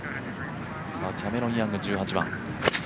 キャメロン・ヤング１８番。